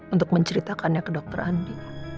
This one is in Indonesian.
untuk menceritakannya ke dokter andi